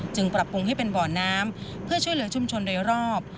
ปรับปรุงให้เป็นบ่อน้ำเพื่อช่วยเหลือชุมชนโดยรอบ